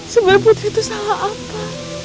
sebab putri itu salah apa